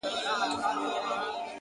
د حقیقت منل عقل ته ځواک ورکوي!.